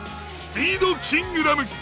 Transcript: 「スピードキングダム」！